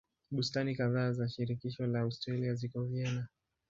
Bustani kadhaa za shirikisho la Austria ziko Vienna.